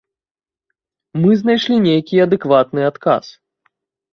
Мы знайшлі нейкі адэкватны адказ.